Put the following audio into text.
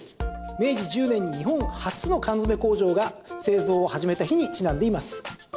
明治１０年に日本初の缶詰工場が製造を始めた日にちなんでいます。